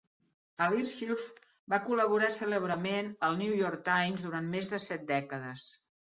Al Hirschfeld va col·laborar cèlebrement al "The New York Times" durant més de set dècades.